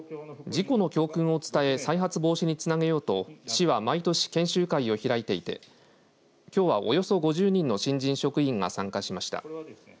事故の教訓を伝え再発防止につなげようと市は毎年、研修会を開いていてきょうは、およそ５０人の新人職員が参加しました。